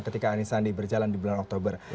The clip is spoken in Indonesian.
ketika anisandi berjalan di bulan oktober